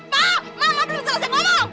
pak mama belum selesai ngomong